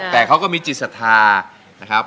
แต่เขาก็มีจิตสถานะครับ